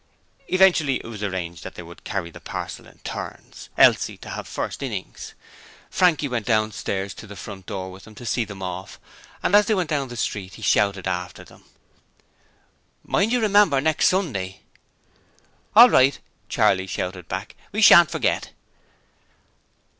Eventually it was arranged that they were to carry the parcel in turns, Elsie to have first innings. Frankie went downstairs to the front door with them to see them off, and as they went down the street he shouted after them: 'Mind you remember, next Sunday!' 'All right,' Charley shouted back. 'We shan't forget.'